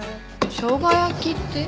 しょうが焼きって？